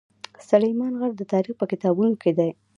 سلیمان غر د تاریخ په کتابونو کې دی.